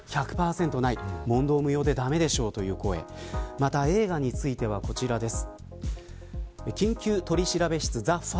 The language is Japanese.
また映画についてはこちらです。